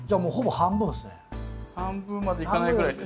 半分までいかないぐらいで。